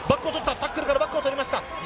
タックルからバックを取りました！